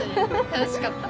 楽しかった。